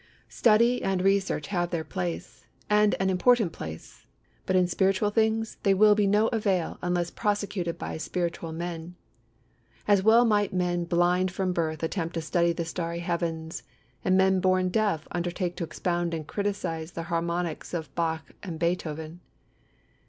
Study and research have their place, and an important place; but in spiritual things they will be no avail unless prosecuted by spiritual men. As well might men blind from birth attempt to study the starry heavens, and men born deaf undertake to expound and criticise the harmonies of Bach and Beethoven.